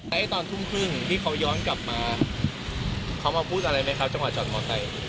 ตอนทุ่มครึ่งที่เขาย้อนกลับมาเขามาพูดอะไรไหมครับจังหวะจอดมอไซค์